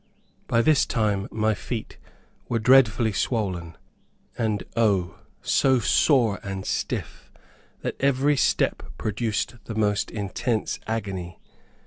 By this time my feet were dreadfully swollen, and O! so sore and stiff, that every step produced the most intense agony.